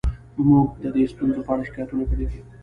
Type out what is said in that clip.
موږ د دې ستونزو په اړه شکایتونه کړي دي